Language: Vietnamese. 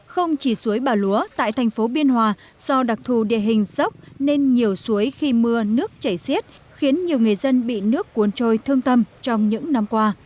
không chỉ suối bà lúa tại thành phố biên hòa do đặc thù địa hình dốc nên nhiều suối khi mưa nước chảy xiết khiến nhiều người dân bị nước cuốn trôi thương tâm trong những năm qua